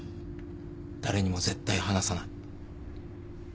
誰にも絶対話さない。